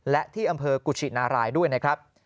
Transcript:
และที่อำเภอกุชินารายด้วยนะครับ